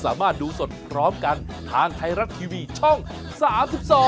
สวัสดีค่ะ